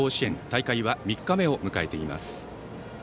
大会は３日目を迎えています。